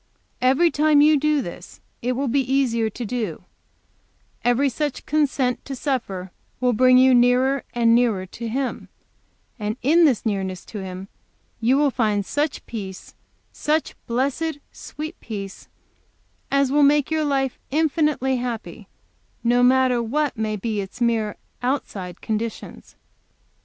Every time you do this it will be easier to do it; every such consent to suffer will bring you nearer and nearer to Him; and in this nearness to Him you will find such peace, such blessed, sweet peace, as will make your life infinitely happy, no matter what may be its mere outside conditions.